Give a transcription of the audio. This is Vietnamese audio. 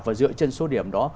và dựa trên số điểm đó